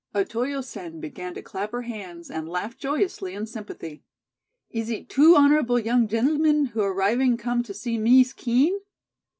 Otoyo Sen began to clap her hands and laugh joyously in sympathy. "Is it two honorable young gentlemen who arriving come to see Mees Kean?"